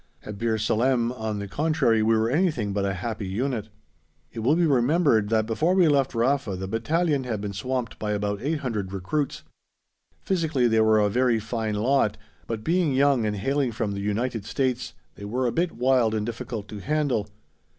At Bir Salem, on the contrary, we were anything but a happy unit. It will be remembered that before we left Rafa the battalion had been swamped by about 800 recruits. Physically they were a very fine lot, but, being young and hailing from the United States, they were a bit wild and difficult to handle.